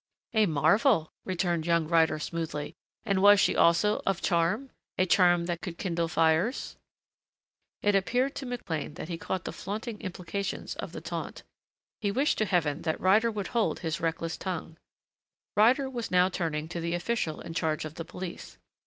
"A marvel!" returned young Ryder smoothly. "And was she also of charm a charm that could kindle fires ?" It appeared to McLean that he caught the flaunting implications of the taunt. He wished to heaven that Ryder would hold his reckless tongue. Ryder was turning now to the official in charge of the police.